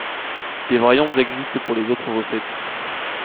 Des variantes existent pour les autres recettes.